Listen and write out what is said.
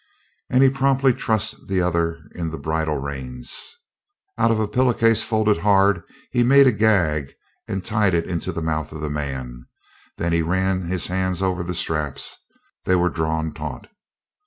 And he promptly trussed the other in the bridle reins. Out of a pillowcase folded hard he made a gag and tied it into the mouth of the man. Then he ran his hands over the straps; they were drawn taut.